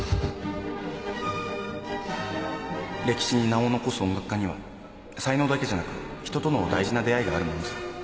歴史に名を残す音楽家には才能だけじゃなく人との大事な出会いがあるものさ。